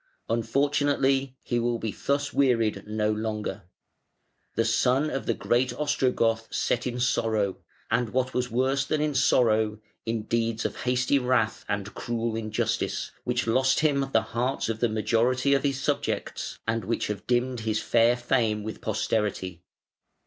Unfortunately he will be thus wearied no longer. The sun of the great Ostrogoth set in sorrow, and what was worse than in sorrow, in deeds of hasty wrath and cruel injustice, which lost him the hearts of the majority of his subjects and which have dimmed his fair fame with posterity.